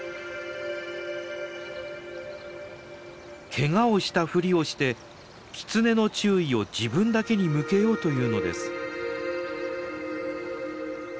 ケガをしたふりをしてキツネの注意を自分だけに向けようというのです。